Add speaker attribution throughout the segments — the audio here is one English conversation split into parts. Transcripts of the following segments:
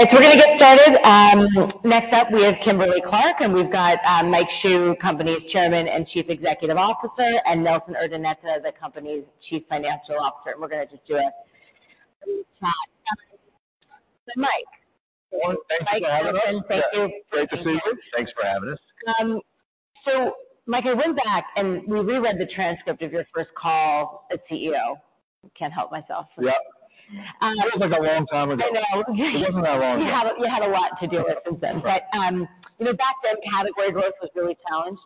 Speaker 1: All right, so we're going to get started. Next up, we have Kimberly-Clark, and we've got Mike Hsu, company's Chairman and Chief Executive Officer, and Nelson Urdaneta, the company's Chief Financial Officer. We're going to just do it. Mike.
Speaker 2: Well, thanks for having us.
Speaker 1: Thank you.
Speaker 3: Great to see you.
Speaker 2: Thanks for having us.
Speaker 1: So, Mike, I went back, and we reread the transcript of your first call as CEO. I can't help myself.
Speaker 3: Yeah. Feels like a long time ago.
Speaker 1: I know.
Speaker 3: It wasn't that long ago.
Speaker 1: You have, you had a lot to deal with since then. But, you know, back then, category growth was really challenged,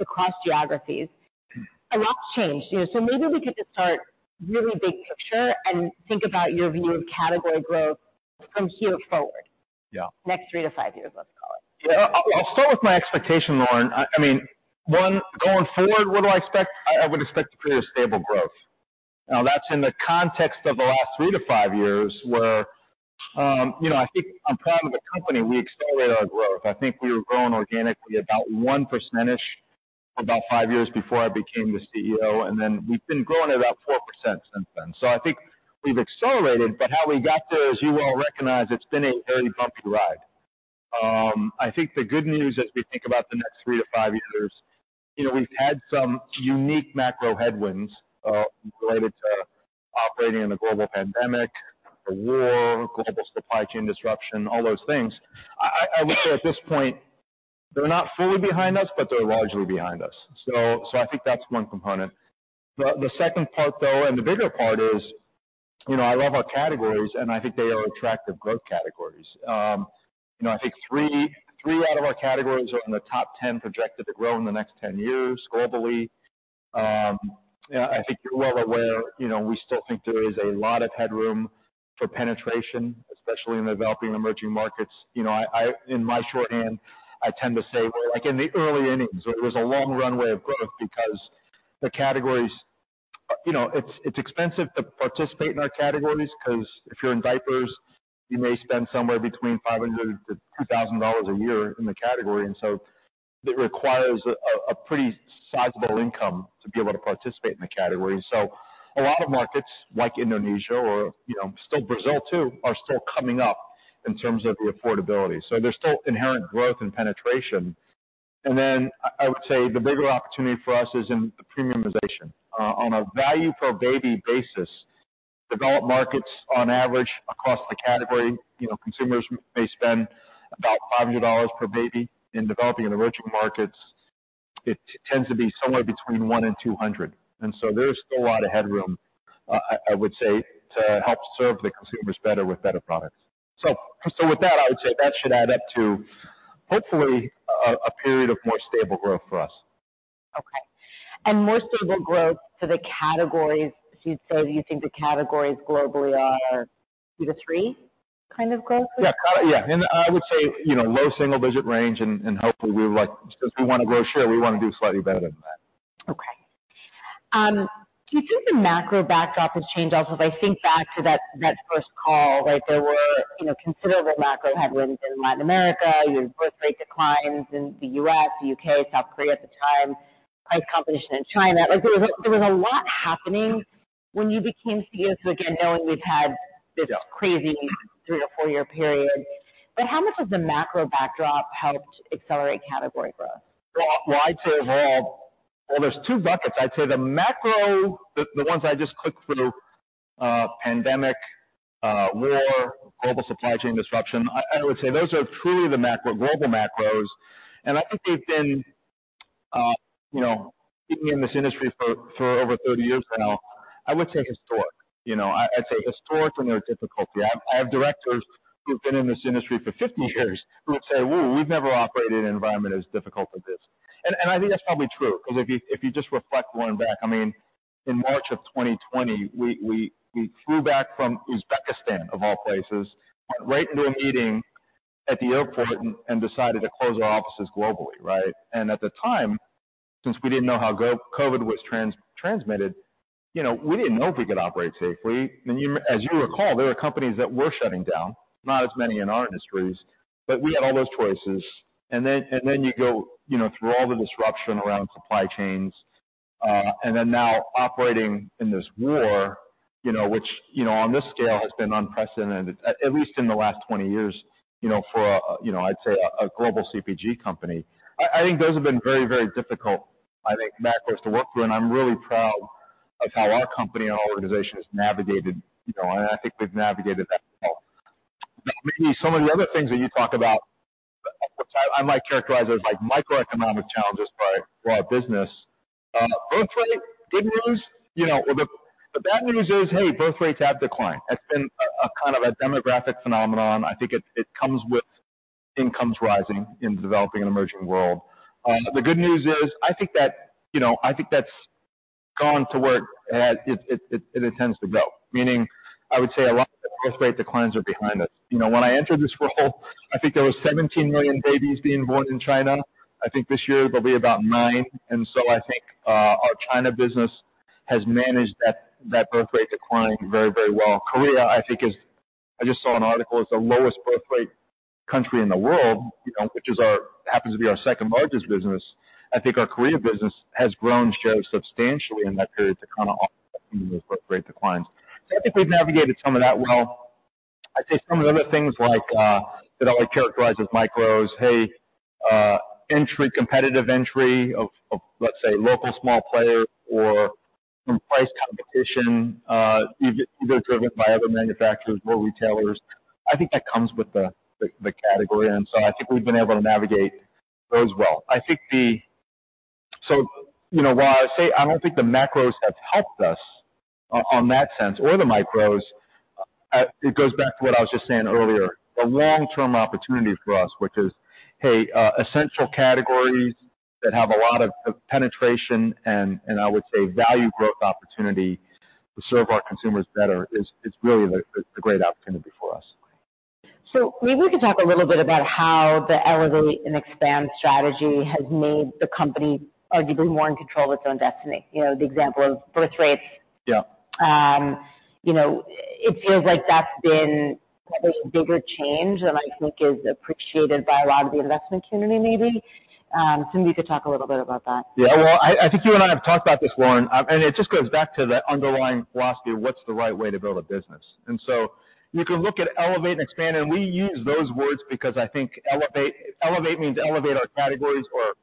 Speaker 1: across geographies. A lot's changed, you know, so maybe we could just start really big picture and think about your view of category growth from here forward.
Speaker 3: Yeah.
Speaker 1: Next 3-5 years, let's call it.
Speaker 3: Yeah. I'll start with my expectation, Lauren. I, I mean, one, going forward, what do I expect? I would expect a period of stable growth. Now that's in the context of the last 3-5 years, where, you know, I think on part of the company, we accelerated our growth. I think we were growing organically about 1% for about 5 years before I became the CEO, and then we've been growing at about 4% since then. So I think we've accelerated, but how we got there, as you well recognize, it's been a very bumpy ride. I think the good news as we think about the next 3-5 years, you know, we've had some unique macro headwinds, related to operating in a global pandemic, a war, global supply chain disruption, all those things. I would say at this point, they're not fully behind us, but they're largely behind us. So I think that's one component. The second part, though, and the bigger part is, you know, I love our categories, and I think they are attractive growth categories. You know, I think 3 out of our categories are in the top 10 projected to grow in the next 10 years globally. I think you're well aware, you know, we still think there is a lot of headroom for penetration, especially in the developing and emerging markets. You know, I, I, in my shorthand, I tend to say, we're, like, in the early innings, there is a long runway of growth because the categories, you know, it's, it's expensive to participate in our categories because if you're in diapers, you may spend somewhere between $500-$2,000 a year in the category. And so it requires a, a pretty sizable income to be able to participate in the category. So a lot of markets, like Indonesia or, you know, still Brazil, too, are still coming up in terms of the affordability. So there's still inherent growth and penetration. And then I would say the bigger opportunity for us is in the premiumization. On a value per baby basis, developed markets on average across the category, you know, consumers may spend about $500 per baby. In developing and emerging markets, it tends to be somewhere between $100-$200, and so there's still a lot of headroom, I would say, to help serve the consumers better with better products. So with that, I would say that should add up to, hopefully, a period of more stable growth for us.
Speaker 1: Okay. And more stable growth to the categories, so you think the categories globally are 2-3 kind of growth?
Speaker 3: Yeah. Yeah. And I would say, you know, low single digit range, and, and hopefully, we like, because we want to grow share, we want to do slightly better than that.
Speaker 1: Okay. Do you think the macro backdrop has changed also? As I think back to that, that first call, like, there were, you know, considerable macro headwinds in Latin America, your birth rate declines in the U.S., the U.K., South Korea at the time, price competition in China. Like, there was a, there was a lot happening when you became CEO. So again, knowing we've had this crazy 3-4-year period, but how much has the macro backdrop helped accelerate category growth?
Speaker 3: Well, well, I'd say overall... Well, there's two buckets. I'd say the macro, the ones I just clicked through, pandemic, war, global supply chain disruption, I would say those are truly the macro, global macros. And I think they've been, you know, being in this industry for over 30 years now, I would say historic. You know, I, I'd say historic in their difficulty. I have directors who've been in this industry for 50 years who would say, "Whoa, we've never operated in an environment as difficult as this." And I think that's probably true, because if you just reflect going back, I mean, in March of 2020, we flew back from Uzbekistan, of all places, went right into a meeting at the airport and decided to close our offices globally, right? And at the time, since we didn't know how COVID was transmitted, you know, we didn't know if we could operate safely. And you, as you recall, there were companies that were shutting down, not as many in our industries, but we had all those choices. And then, and then you go, you know, through all the disruption around supply chains, and then now operating in this war, you know, which, you know, on this scale has been unprecedented, at least in the last 20 years, you know, for, you know, I'd say a global CPG company. I think those have been very, very difficult, I think, macros to work through, and I'm really proud of how our company and our organization has navigated, you know, and I think we've navigated that well. Now, maybe some of the other things that you talk about, which I might characterize as, like, microeconomic challenges for our business. Birthrate, good news, you know, or the bad news is, hey, birthrates have declined. That's been a kind of a demographic phenomenon. I think it comes with incomes rising in the developing and emerging world. The good news is, I think that, you know, I think that's gone to where it has, it tends to go. Meaning, I would say a lot of birthrate declines are behind us. You know, when I entered this role, I think there were 17 million babies being born in China. I think this year there'll be about 9, and so I think, our China business has managed that birthrate decline very, very well. Korea, I think, is... I just saw an article; it's the lowest birth rate country in the world, you know, which happens to be our second largest business. I think our care business has grown share substantially in that period to kind of offset the birth rate declines. So I think we've navigated some of that well. I'd say some of the other things like that I would characterize as micros, entry, competitive entry of, of, let's say, local small players or from price competition, either driven by other manufacturers or retailers. I think that comes with the category, and so I think we've been able to navigate those well. I think the... So, you know, while I say I don't think the macros have helped us on that sense or the micros, it goes back to what I was just saying earlier, the long-term opportunity for us, which is, hey, essential categories that have a lot of penetration and I would say value growth opportunity to serve our consumers better, is really a great opportunity for us.
Speaker 1: Maybe we could talk a little bit about how the Elevate and Expand strategy has made the company arguably more in control of its own destiny. You know, the example of birth rates.
Speaker 3: Yeah.
Speaker 1: You know, it feels like that's been maybe a bigger change than I think is appreciated by a lot of the investment community, maybe. So maybe you could talk a little bit about that.
Speaker 3: Yeah. Well, I think you and I have talked about this, Lauren, and it just goes back to the underlying philosophy of what's the right way to build a business. And so you can look at Elevate and Expand, and we use those words because I think elevate means elevate our categories or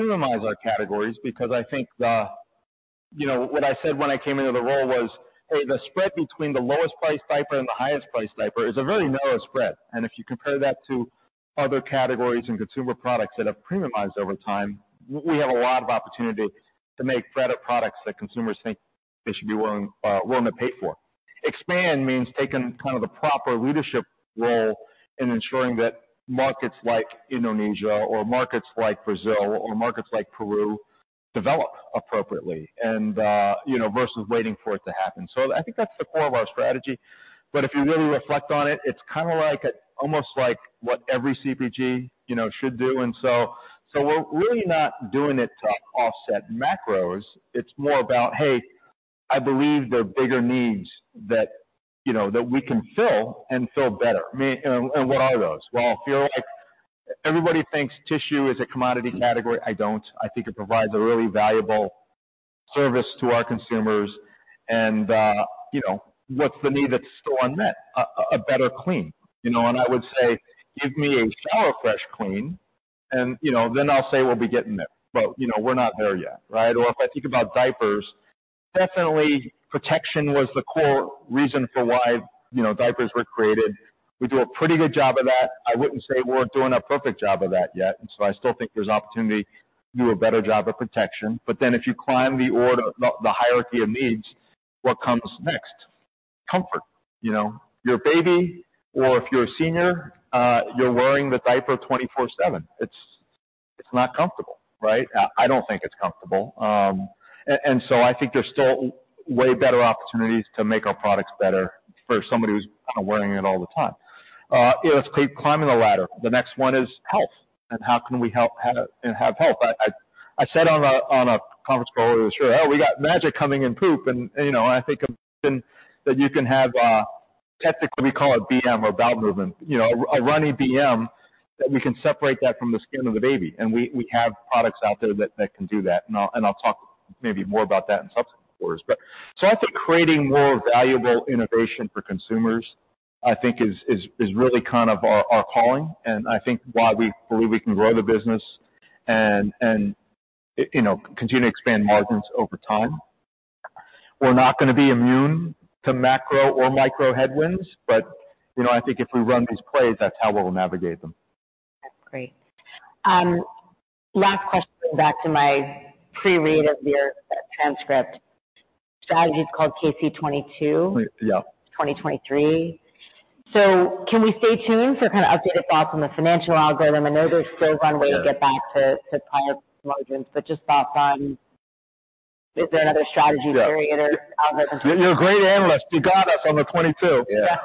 Speaker 3: premiumize our categories. Because I think the, you know, what I said when I came into the role was, hey, the spread between the lowest-priced diaper and the highest-priced diaper is a very narrow spread. And if you compare that to other categories and consumer products that have premiumized over time, we have a lot of opportunity to make better products that consumers think they should be willing to pay for. Expand means taking kind of the proper leadership role in ensuring that markets like Indonesia or markets like Brazil or markets like Peru develop appropriately and, you know, versus waiting for it to happen. So I think that's the core of our strategy. But if you really reflect on it, it's kind of like, almost like what every CPG, you know, should do. And so, so we're really not doing it to offset macros. It's more about, hey, I believe there are bigger needs that, you know, that we can fill and fill better. Me, and, and what are those? Well, I feel like everybody thinks tissue is a commodity category. I don't. I think it provides a really valuable service to our consumers. And, you know, what's the need that's still unmet? A, a better clean. You know, and I would say, give me a shower fresh clean, and, you know, then I'll say we'll be getting there. But, you know, we're not there yet, right? Or if I think about diapers, definitely protection was the core reason for why, you know, diapers were created. We do a pretty good job of that. I wouldn't say we're doing a perfect job of that yet, and so I still think there's opportunity to do a better job of protection. But then if you climb the order, the hierarchy of needs, what comes next? Comfort. You know, your baby or if you're a senior, you're wearing the diaper 24/7. It's not comfortable, right? I don't think it's comfortable. And so I think there's still way better opportunities to make our products better for somebody who's kind of wearing it all the time. Let's keep climbing the ladder. The next one is health, and how can we help and have health? I said on a conference call earlier, "Sure, oh, we got magic coming in poop." And, you know, I think that you can have, technically we call it BM or bowel movement, you know, a runny BM, that we can separate that from the skin of the baby, and we have products out there that can do that. And I'll talk maybe more about that in subsequent quarters. So, I think creating more valuable innovation for consumers is really kind of our calling, and I think why we believe we can grow the business and you know continue to expand margins over time. We're not gonna be immune to macro or micro headwinds, but you know I think if we run these plays, that's how we'll navigate them.
Speaker 1: That's great. Last question, back to my pre-read of your transcript. Strategy is called K-C 2022.
Speaker 3: Yeah.
Speaker 1: 2023. So can we stay tuned for kind of updated thoughts on the financial algorithm? I know there's still one way to get back to higher margins, but just thoughts on, is there another strategy variated out there?
Speaker 2: You're a great analyst. You got us on the 2022.
Speaker 1: Yeah.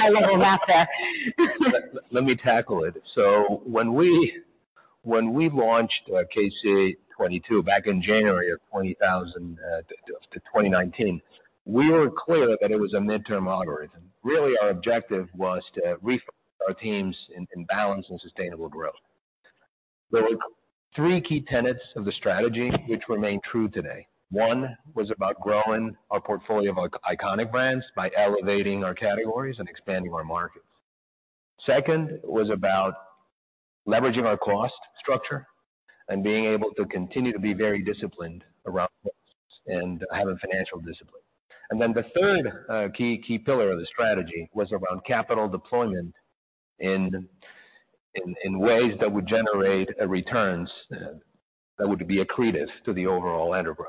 Speaker 1: High level math there.
Speaker 2: Let me tackle it. So when we launched K-C Strategy 2022 back in January of 2019, we were clear that it was a medium-term strategy. Really, our objective was to reframe our teams in balanced and sustainable growth. There were three key tenets of the strategy, which remain true today. One was about growing our portfolio of iconic brands by elevating our categories and expanding our markets. Second was about leveraging our cost structure and being able to continue to be very disciplined around costs and have a financial discipline. And then the third key pillar of the strategy was around capital deployment in ways that would generate returns that would be accretive to the overall enterprise.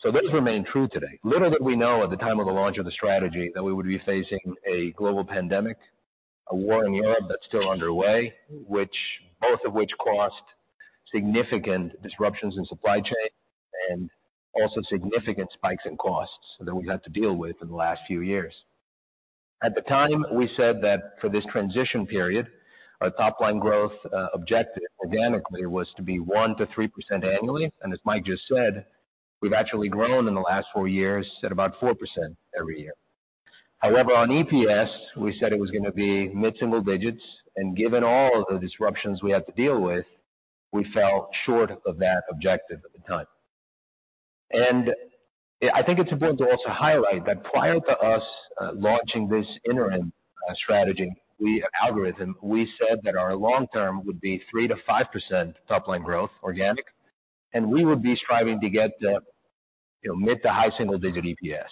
Speaker 2: So those remain true today. Little did we know at the time of the launch of the strategy, that we would be facing a global pandemic, a war in Europe that's still underway, which both of which caused significant disruptions in supply chain and also significant spikes in costs that we've had to deal with in the last few years. At the time, we said that for this transition period, our top line growth objective organically, was to be 1%-3% annually, and as Mike just said, we've actually grown in the last 4 years at about 4% every year. However, on EPS, we said it was gonna be mid-single digits, and given all of the disruptions we had to deal with, we fell short of that objective at the time. I think it's important to also highlight that prior to us launching this interim strategy, we said that our long-term would be 3%-5% top line growth, organic, and we would be striving to get to, you know, mid to high single digit EPS.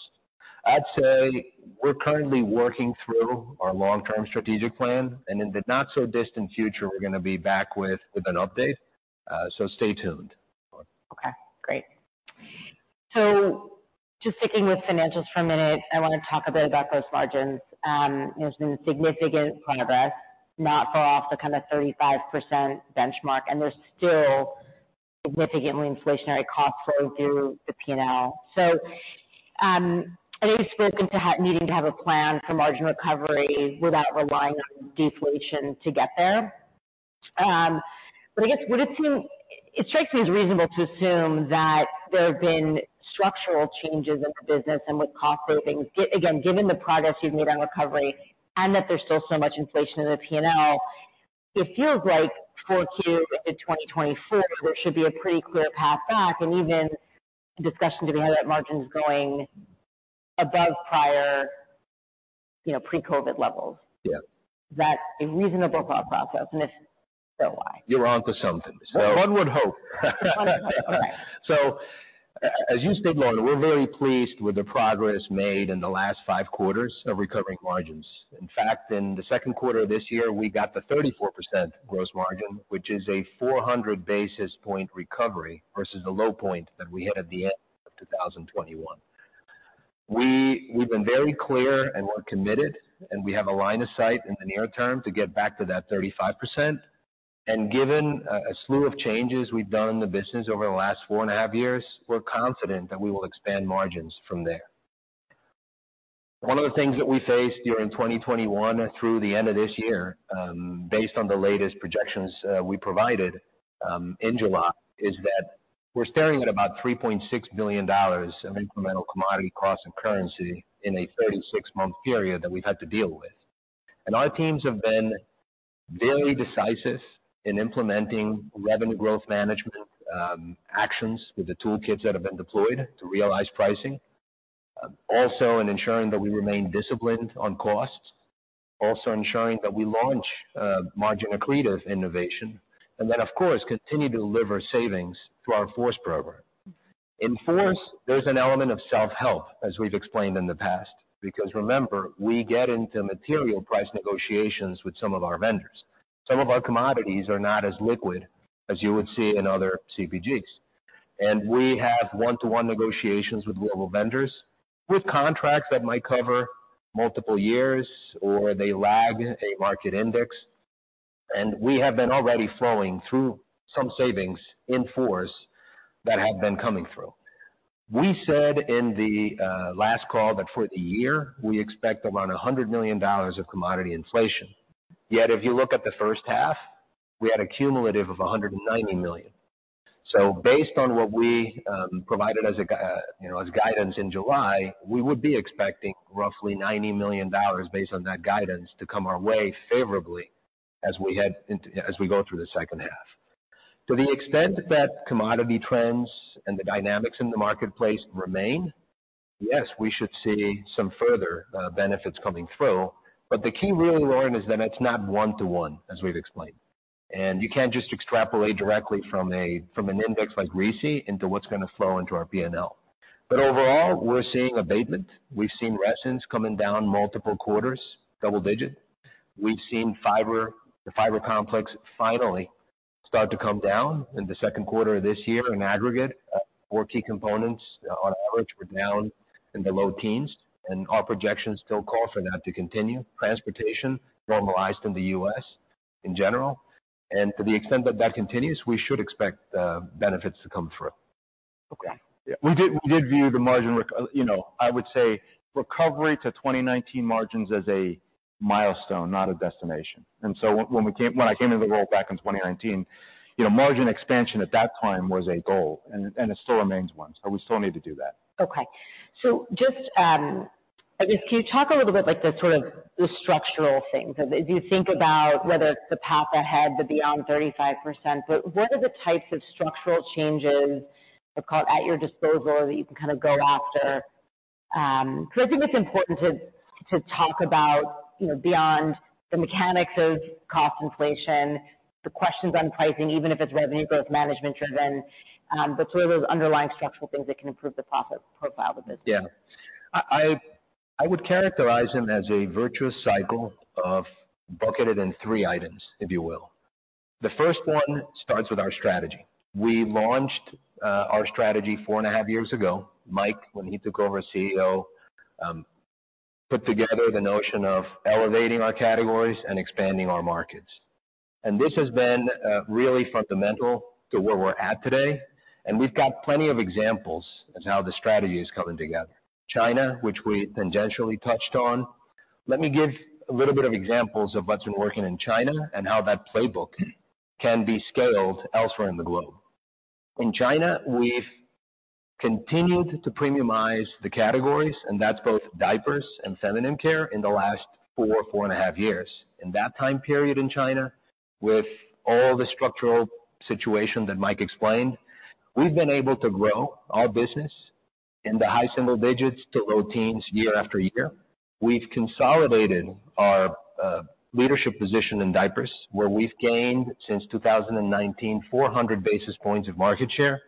Speaker 2: I'd say we're currently working through our long-term strategic plan, and in the not-so-distant future, we're gonna be back with an update. So stay tuned.
Speaker 1: Okay, great. So just sticking with financials for a minute, I wanna talk a bit about gross margins. There's been significant progress, not far off the kind of 35% benchmark, and there's still significantly inflationary costs flowing through the P&L. So, I know you've spoken to needing to have a plan for margin recovery without relying on deflation to get there. But I guess it strikes me as reasonable to assume that there have been structural changes in the business and with cost savings. Again, given the progress you've made on recovery and that there's still so much inflation in the P&L, it feels like 4Q into 2024, there should be a pretty clear path back and even discussion to be had at margins going above prior, you know, pre-COVID levels.
Speaker 2: Yeah.
Speaker 1: Is that a reasonable thought process? And if so, why?
Speaker 2: You're onto something.
Speaker 1: Well-
Speaker 3: One would hope.
Speaker 1: One would hope. Okay.
Speaker 2: So as you stated, Lauren, we're very pleased with the progress made in the last 5 quarters of recovering margins. In fact, in the Q2 of this year, we got to 34% gross margin, which is a 400 basis point recovery versus the low point that we had at the end of 2021. We, we've been very clear, and we're committed, and we have a line of sight in the near term to get back to that 35%. And given a, a slew of changes we've done in the business over the last 4.5 years, we're confident that we will expand margins from there. One of the things that we faced during 2021 through the end of this year, based on the latest projections we provided in July, is that we're staring at about $3.6 billion of incremental commodity costs and currency in a 36-month period that we've had to deal with. And our teams have been very decisive in implementing revenue growth management actions with the toolkits that have been deployed to realize pricing. Also, in ensuring that we remain disciplined on costs, also ensuring that we launch margin-accretive innovation, and then, of course, continue to deliver savings through our FORCE program. In FORCE, there's an element of self-help, as we've explained in the past, because remember, we get into material price negotiations with some of our vendors. Some of our commodities are not as liquid as you would see in other CPGs, and we have one-to-one negotiations with global vendors, with contracts that might cover multiple years or they lag a market index. We have been already flowing through some savings in FORCE that have been coming through. We said in the last call that for the year, we expect around $100 million of commodity inflation. Yet if you look at the first half, we had a cumulative of $190 million. So based on what we provided as you know, as guidance in July, we would be expecting roughly $90 million based on that guidance to come our way favorably as we head into, as we go through the second half. To the extent that commodity trends and the dynamics in the marketplace remain, yes, we should see some further benefits coming through, but the key really, Lauren, is that it's not one-to-one, as we've explained, and you can't just extrapolate directly from a, from an index like RISI into what's gonna flow into our P&L. But overall, we're seeing abatement. We've seen resins coming down multiple quarters, double digit. We've seen fiber, the fiber complex finally start to come down in the Q2 of this year. In aggregate, four key components on average were down in the low teens, and our projections still call for that to continue. Transportation normalized in the U.S. in general, and to the extent that that continues, we should expect benefits to come through.
Speaker 1: Okay.
Speaker 3: Yeah, we did view the margin recovery to 2019 margins as a milestone, not a destination. And so when I came into the role back in 2019, you know, margin expansion at that time was a goal, and it still remains one, so we still need to do that.
Speaker 1: Okay. So just, I guess, can you talk a little bit, like, the sort of the structural things? As you think about whether it's the path ahead, the beyond 35%, but what are the types of structural changes, let's call it, at your disposal that you can kind of go after? Because I think it's important to talk about, you know, beyond the mechanics of cost inflation, the questions on pricing, even if it's revenue growth management driven, but sort of those underlying structural things that can improve the profit profile of the business.
Speaker 2: Yeah. I would characterize them as a virtuous cycle of, bucketed in three items, if you will. The first one starts with our strategy. We launched our strategy four and a half years ago. Mike, when he took over as CEO, put together the notion of elevating our categories and expanding our markets. And this has been really fundamental to where we're at today, and we've got plenty of examples of how the strategy is coming together. China, which we tangentially touched on. Let me give a little bit of examples of what's been working in China and how that playbook can be scaled elsewhere in the globe. In China, we've continued to premiumize the categories, and that's both diapers and feminine care, in the last four, four and a half years. In that time period in China, with all the structural situation that Mike explained, we've been able to grow our business in the high single digits to low teens year after year. We've consolidated our leadership position in diapers, where we've gained, since 2019, 400 basis points of market share.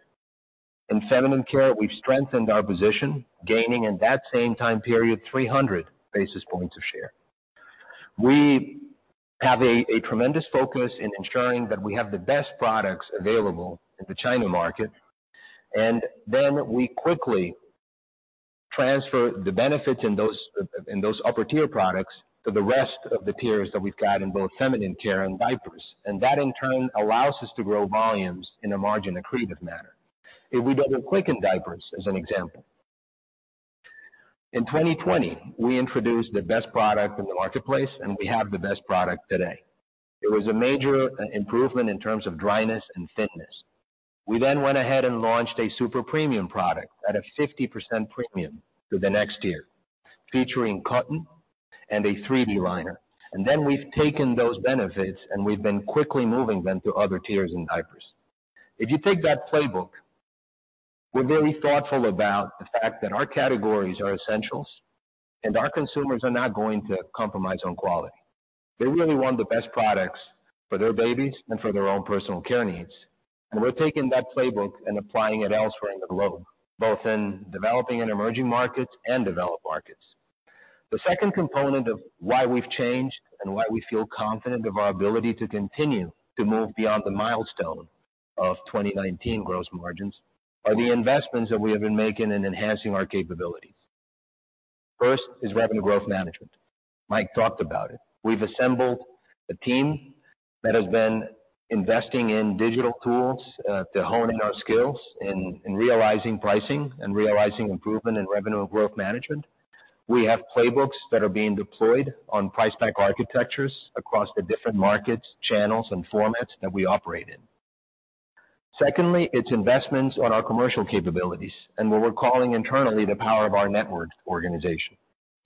Speaker 2: In feminine care, we've strengthened our position, gaining in that same time period, 300 basis points of share. We have a tremendous focus in ensuring that we have the best products available in the China market, and then we quickly transfer the benefits in those upper-tier products to the rest of the tiers that we've got in both feminine care and diapers, and that, in turn, allows us to grow volumes in a margin-accretive manner. If we go to Huggies diapers, as an example. In 2020, we introduced the best product in the marketplace, and we have the best product today. It was a major improvement in terms of dryness and thickness. We then went ahead and launched a super premium product at a 50% premium to the next tier, featuring cotton and a 3D liner. And then we've taken those benefits, and we've been quickly moving them to other tiers in diapers. If you take that playbook, we're very thoughtful about the fact that our categories are essentials, and our consumers are not going to compromise on quality. They really want the best products for their babies and for their own personal care needs. And we're taking that playbook and applying it elsewhere in the globe, both in developing and emerging markets and developed markets. The second component of why we've changed and why we feel confident of our ability to continue to move beyond the milestone of 2019 gross margins are the investments that we have been making in enhancing our capabilities. First is revenue growth management. Mike talked about it. We've assembled a team that has been investing in digital tools to hone in our skills in realizing pricing and realizing improvement in revenue and growth management. We have playbooks that are being deployed on price pack architectures across the different markets, channels, and formats that we operate in. Secondly, it's investments on our commercial capabilities and what we're calling internally, the power of our network organization.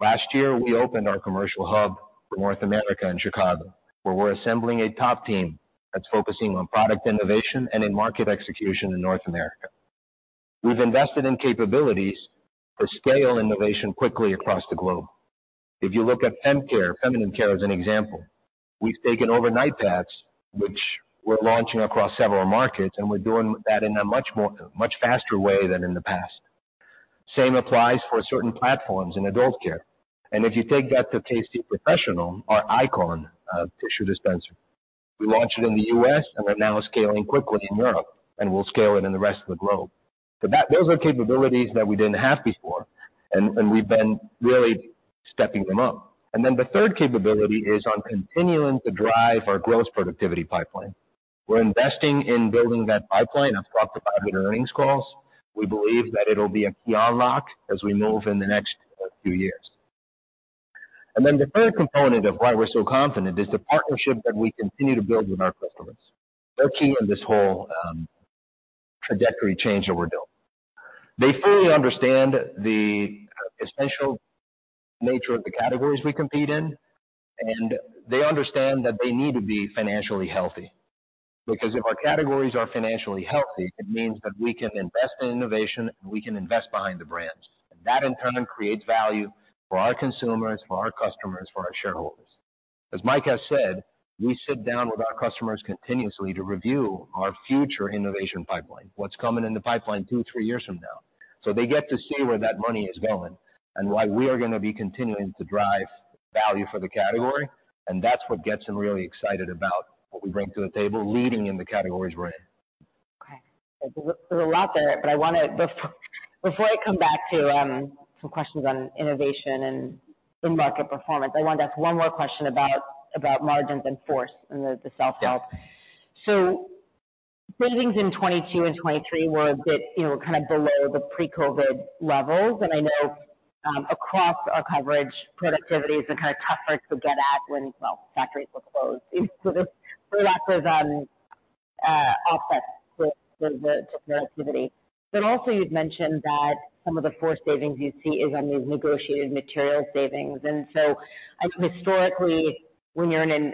Speaker 2: Last year, we opened our commercial hub for North America in Chicago, where we're assembling a top team that's focusing on product innovation and in market execution in North America. We've invested in capabilities to scale innovation quickly across the globe. If you look at fem care, feminine care, as an example, we've taken overnight pads, which we're launching across several markets, and we're doing that in a much more, much faster way than in the past. Same applies for certain platforms in adult care. And if you take that to K-C Professional, our Icon tissue dispenser, we launched it in the U.S., and we're now scaling quickly in Europe, and we'll scale it in the rest of the globe. So those are capabilities that we didn't have before, and we've been really stepping them up. And then the third capability is on continuing to drive our growth productivity pipeline. We're investing in building that pipeline across the 500 earnings calls. We believe that it'll be a key unlock as we move in the next few years. And then the third component of why we're so confident is the partnership that we continue to build with our customers. They're key in this whole trajectory change that we're doing. They fully understand the essential nature of the categories we compete in, and they understand that they need to be financially healthy. Because if our categories are financially healthy, it means that we can invest in innovation, and we can invest behind the brands. And that, in turn, creates value for our consumers, for our customers, for our shareholders. As Mike has said, we sit down with our customers continuously to review our future innovation pipeline, what's coming in the pipeline two, three years from now. So they get to see where that money is going and why we are gonna be continuing to drive value for the category, and that's what gets them really excited about what we bring to the table, leading in the categories we're in.
Speaker 1: Okay. There's a lot there, but I wanna... Before I come back to some questions on innovation and the market performance, I want to ask one more question about margins and FORCE in the self-help. So savings in 2022 and 2023 were a bit, you know, kind of below the pre-COVID levels. And I know across our coverage, productivity is a kind of tougher to get at when, well, factories were closed. So there's lots of offsets with the activity. But also you'd mentioned that some of the FORCE savings you see is on these negotiated material savings. And so I think historically, when you're in a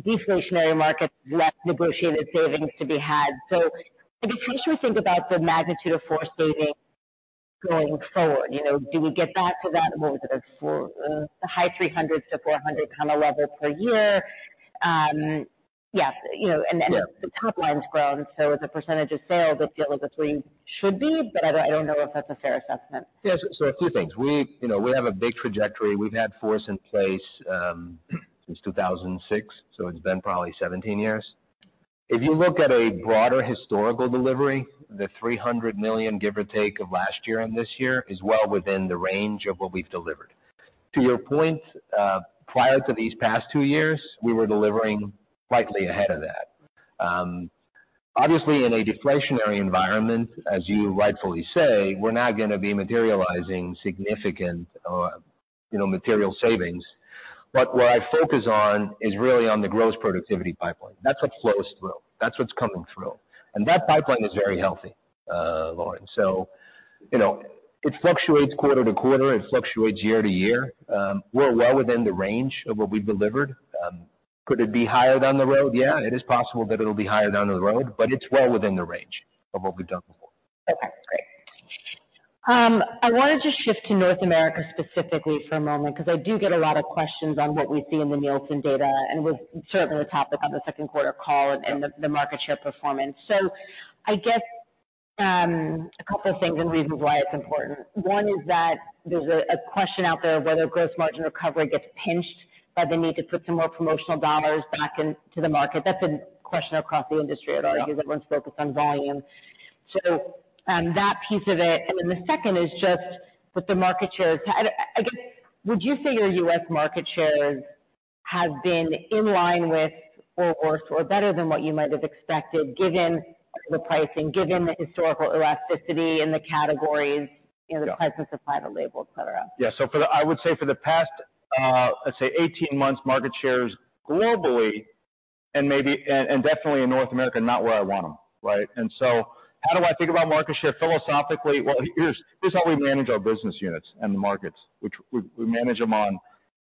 Speaker 1: deflationary market, there's less negotiated savings to be had. So how should we think about the magnitude of FORCE savings going forward? You know, do we get back to that, what was it, the high $300-$400 kind of level per year? Yeah, you know, and then-
Speaker 2: Yeah.
Speaker 1: The top line's grown, so as a percentage of sales, it's still as a three should be, but I, I don't know if that's a fair assessment.
Speaker 2: Yes. So a few things. We, you know, we have a big trajectory. We've had FORCE in place since 2006, so it's been probably 17 years. If you look at a broader historical delivery, the $300 million, give or take, of last year and this year, is well within the range of what we've delivered. To your point, prior to these past 2 years, we were delivering slightly ahead of that obviously, in a deflationary environment, as you rightfully say, we're not gonna be materializing significant, you know, material savings. But what I focus on is really on the gross productivity pipeline. That's what flows through, that's what's coming through, and that pipeline is very healthy, Lauren. So, you know, it fluctuates quarter to quarter, it fluctuates year to year. We're well within the range of what we've delivered. Could it be higher down the road? Yeah, it is possible that it'll be higher down the road, but it's well within the range of what we've done before.
Speaker 1: Okay, great. I wanted to shift to North America specifically for a moment, because I do get a lot of questions on what we see in the Nielsen data, and with certainly the topic on the Q2 call and the market share performance. So I guess, a couple of things and reasons why it's important. One is that there's a question out there of whether gross margin recovery gets pinched by the need to put some more promotional dollars back into the market. That's a question across the industry at large.
Speaker 3: Yeah.
Speaker 1: That one's focused on volume. So, that piece of it, and then the second is just with the market shares. I, I guess, would you say your U.S. market shares have been in line with or, or better than what you might have expected, given the pricing, given the historical elasticity in the categories-
Speaker 3: Yeah.
Speaker 1: You know, the types of supply, the label, et cetera?
Speaker 3: Yeah. So for the... I would say for the past, let's say 18 months, market shares globally and maybe, and, and definitely in North America, not where I want them, right? And so how do I think about market share philosophically? Well, here's, here's how we manage our business units and the markets, which we, we manage them on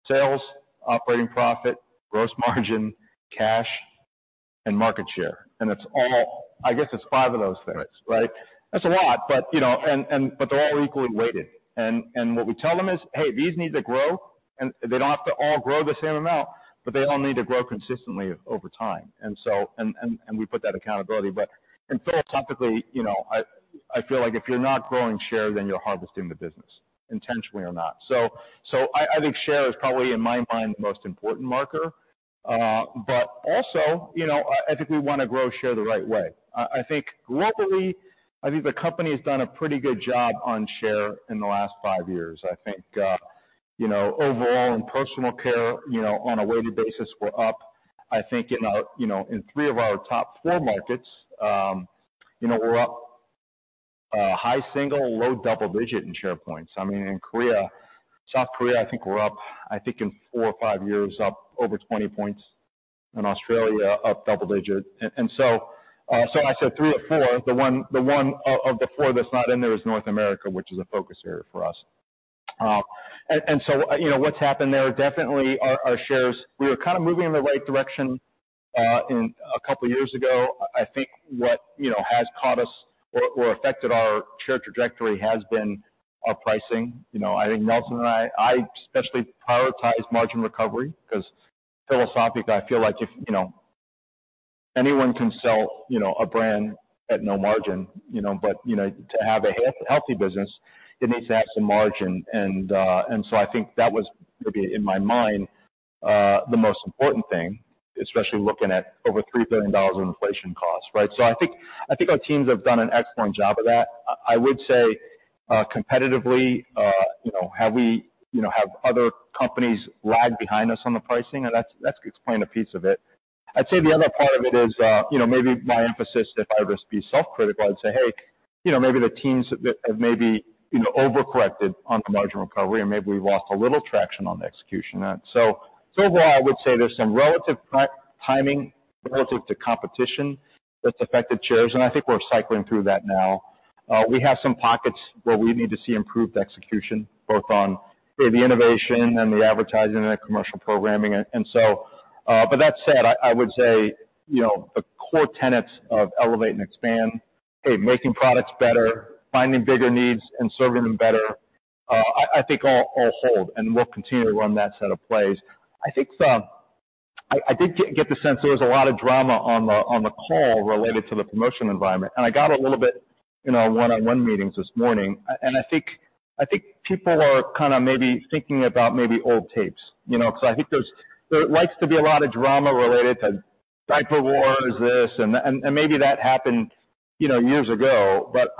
Speaker 3: sales, operating profit, gross margin, cash, and market share. And it's all-- I guess it's five of those things, right? That's a lot, but, you know, and, and, but they're all equally weighted. And, and what we tell them is, "Hey, these need to grow, and they don't have to all grow the same amount, but they all need to grow consistently over time." And so, and, and, and we put that accountability. But and philosophically, you know, I feel like if you're not growing share, then you're harvesting the business, intentionally or not. So, I think share is probably, in my mind, the most important marker. But also, you know, I think we wanna grow share the right way. I think globally, I think the company has done a pretty good job on share in the last 5 years. I think, you know, overall in personal care, you know, on a weighted basis, we're up. I think in our, you know, in three of our top four markets, you know, we're up, high single, low double digit in share points. I mean, in Korea, South Korea, I think we're up, I think in four or 5 years, up over 20 points. In Australia, up double digit. I said three of four, the one of the four that's not in there is North America, which is a focus area for us. You know, what's happened there, definitely our shares, we were kind of moving in the right direction in a couple of years ago. I think what you know has caught us or affected our share trajectory has been our pricing. You know, I think Nelson and I especially prioritize margin recovery because philosophically, I feel like if you know anyone can sell you know a brand at no margin you know, but you know to have a healthy business, it needs to have some margin. And so I think that was maybe, in my mind, the most important thing, especially looking at over $3 billion in inflation costs, right? So I think our teams have done an excellent job of that. I would say, competitively, you know, have we, you know, have other companies lagged behind us on the pricing? And that's explained a piece of it. I'd say the other part of it is, you know, maybe my emphasis, if I were to be self-critical, I'd say: Hey, you know, maybe the teams have maybe, you know, overcorrected on the margin recovery, and maybe we've lost a little traction on the execution of that. So overall, I would say there's some relative timing relative to competition that's affected shares, and I think we're cycling through that now. We have some pockets where we need to see improved execution, both on the innovation and the advertising and commercial programming. And so, but that said, I would say, you know, the core tenets of Elevate and Expand, A, making products better, finding bigger needs, and serving them better, I think all hold, and we'll continue to run that set of plays. I think I did get the sense there was a lot of drama on the call related to the promotion environment, and I got a little bit in our one-on-one meetings this morning. I think, I think people are kind of maybe thinking about maybe old tapes, you know, because I think there's likely to be a lot of drama related to diaper war, is this, and maybe that happened, you know, years ago. But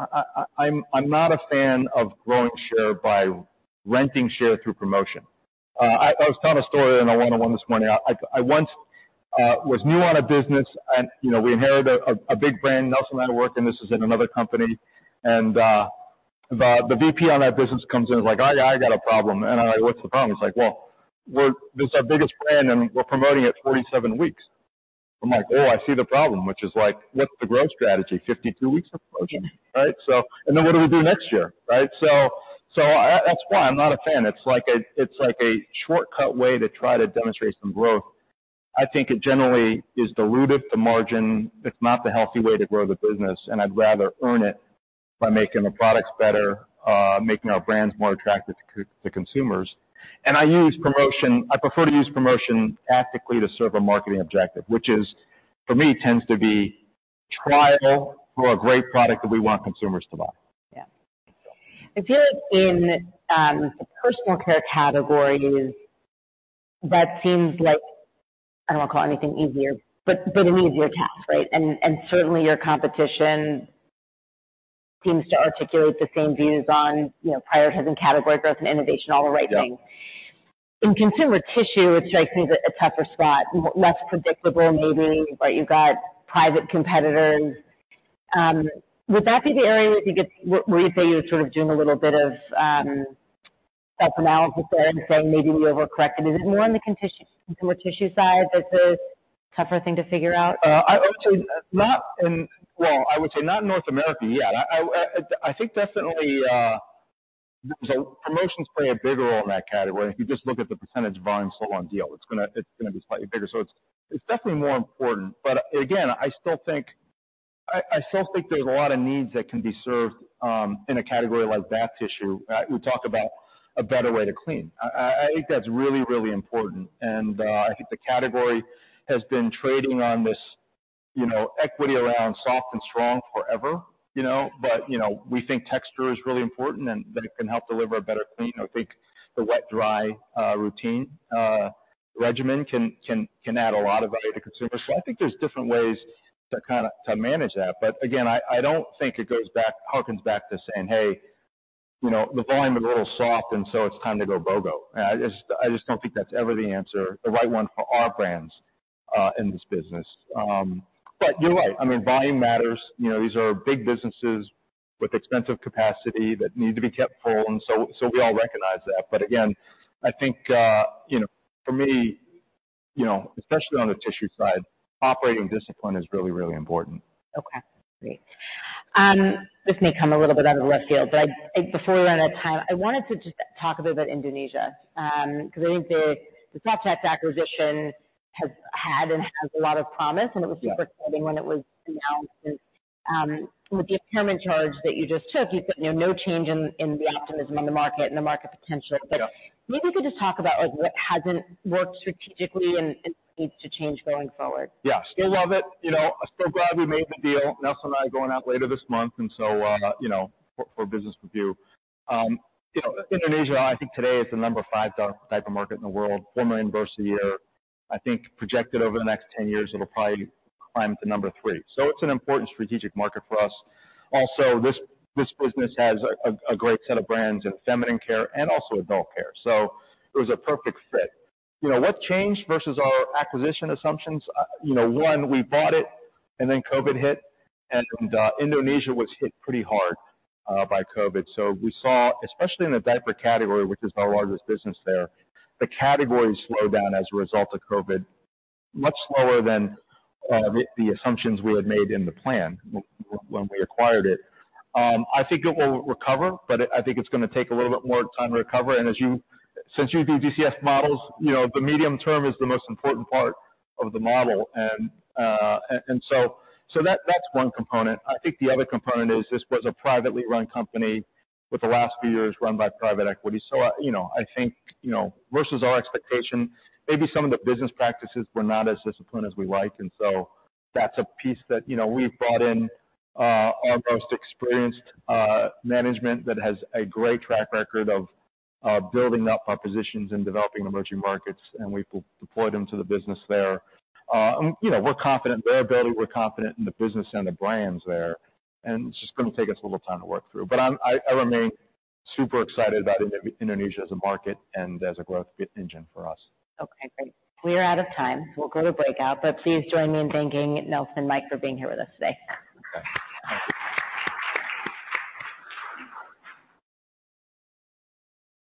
Speaker 3: I'm not a fan of growing share by renting share through promotion. I was telling a story in a one-on-one this morning. I once was new on a business, and, you know, we inherited a big brand. Nelson and I worked, and this is in another company, and the VP on that business comes in and is like: "I got a problem." And I'm like: "What's the problem?" He's like: "Well, we're... This is our biggest brand, and we're promoting it 37 weeks." I'm like: "Oh, I see the problem, which is like, what's the growth strategy? 52 weeks of promotion, right? So, and then what do we do next year, right?" So I- that's why I'm not a fan. It's like a shortcut way to try to demonstrate some growth. I think it generally is dilutive to margin. It's not the healthy way to grow the business, and I'd rather earn it by making the products better, making our brands more attractive to consumers. And I use promotion, I prefer to use promotion tactically to serve a marketing objective, which is, for me, tends to be trial for a great product that we want consumers to buy.
Speaker 1: Yeah. It feels in personal care categories, that seems like I don't want to call anything easier, but an easier task, right? And certainly, your competition seems to articulate the same views on, you know, prioritizing category growth and innovation, all the right things.
Speaker 3: Yeah.
Speaker 1: In consumer tissue, it strikes me as a tougher spot, less predictable maybe, but you've got private competitors. Would that be the area that you get, where you say you're sort of doing a little bit of, self-analysis and saying maybe we overcorrected? Is it more on the consumer tissue side, that's a tougher thing to figure out?
Speaker 3: I would say not in North America, yet. I think definitely, so promotions play a bigger role in that category. If you just look at the percentage volume sold on deal, it's gonna be slightly bigger. So it's definitely more important. But again, I still think there's a lot of needs that can be served in a category like bath tissue. We talk about a better way to clean. I think that's really, really important, and I think the category has been trading on this, you know, equity around soft and strong forever. You know, but, you know, we think texture is really important and that it can help deliver a better clean. I think the wet, dry, routine, regimen can add a lot of value to consumers. So I think there's different ways to kind of, to manage that. But again, I don't think it goes back, harkens back to saying: Hey, you know, the volume is a little soft, and so it's time to go BOGO. I just don't think that's ever the answer, the right one for our brands, in this business. But you're right. I mean, volume matters. You know, these are big businesses with expensive capacity that need to be kept full, and so we all recognize that. But again, I think, you know, for me, you know, especially on the tissue side, operating discipline is really, really important.
Speaker 1: Okay, great. This may come a little bit out of left field, but I, before we run out of time, I wanted to just talk a bit about Indonesia. Because I think the, the Softex acquisition has had and has a lot of promise.
Speaker 3: Yeah.
Speaker 1: And it was super exciting when it was announced. And, with the impairment charge that you just took, you said, you know, no change in the optimism on the market and the market potential.
Speaker 3: Sure.
Speaker 1: Maybe you could just talk about, like, what hasn't worked strategically and needs to change going forward.
Speaker 3: Yeah. Still love it. You know, still glad we made the deal. Nelson and I are going out later this month, and so, you know, for a business review. You know, Indonesia, I think today is the number 5 diaper market in the world, 4 million births a year. I think projected over the next 10 years, it'll probably climb to number 3. So it's an important strategic market for us. Also, this, this business has a great set of brands in feminine care and also adult care, so it was a perfect fit. You know, what's changed versus our acquisition assumptions? You know, one, we bought it, and then COVID hit, and Indonesia was hit pretty hard by COVID. So we saw, especially in the diaper category, which is our largest business there, the category slow down as a result of COVID, much slower than the assumptions we had made in the plan when we acquired it. I think it will recover, but I think it's gonna take a little bit more time to recover. And as you... Since you do DCF models, you know, the medium term is the most important part of the model. And so that, that's one component. I think the other component is this was a privately run company with the last few years run by private equity. So, you know, I think, you know, versus our expectation, maybe some of the business practices were not as disciplined as we liked, and so that's a piece that, you know, we've brought in our most experienced management that has a great track record of building up our positions in developing emerging markets, and we've deployed them to the business there. And, you know, we're confident in their ability, we're confident in the business and the brands there, and it's just going to take us a little time to work through. But I'm, I remain super excited about Indonesia as a market and as a growth engine for us.
Speaker 1: Okay, great. We are out of time, so we'll go to breakout, but please join me in thanking Nelson and Mike for being here with us today.